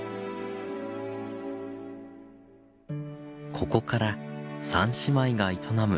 ここから三姉妹が営む